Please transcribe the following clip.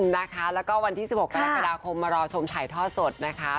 แล้วก็วันที่๑๖กรกฎาคมมารอชมถ่ายท่อสดนะคะ